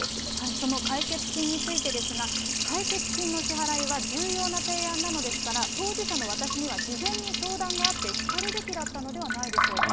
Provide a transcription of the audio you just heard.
その解決金についてですが、解決金の支払いは重要な提案なのですから、当事者の私には事前に相談があってしかるべきだったのではないでしょうか。